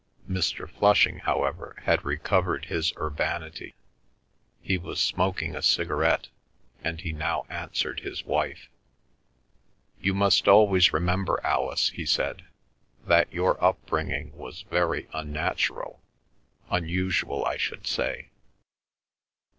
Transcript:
Mr. Flushing, however, had recovered his urbanity. He was smoking a cigarette, and he now answered his wife. "You must always remember, Alice," he said, "that your upbringing was very unnatural—unusual, I should say.